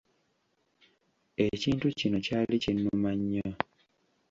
Ekintu kino kyali kinnuma nnyo.